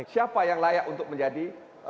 siapa yang layak untuk menjadi